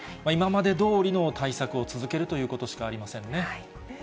今までどおりの対策を続けるということしかありませんね。